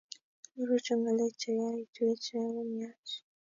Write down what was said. Orochu ngalek chekaitwech ako myach